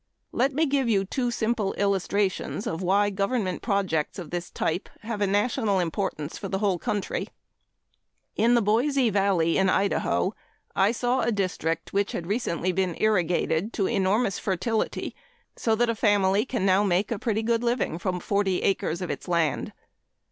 Let me give you two simple illustrations of why government projects of this type have a national importance for the whole country. In the Boise Valley in Idaho I saw a district which had been recently irrigated to enormous fertility so that a family can now make a pretty good living from forty acres of its land.